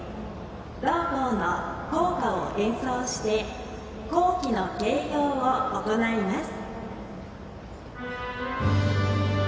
同校の校歌を演奏して校旗の掲揚を行います。